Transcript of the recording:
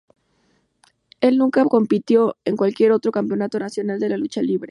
Él nunca compitió en cualquier otro campeonato nacional en la lucha libre.